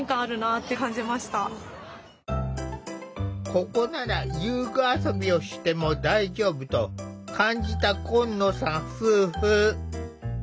ここなら遊具遊びをしても大丈夫と感じた今野さん夫婦。